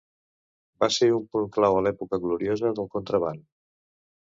Va ser un punt clau a l'època gloriosa del contraban.